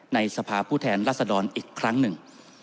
ในสภาพุทธารัศดรอีกครั้งหนึ่ง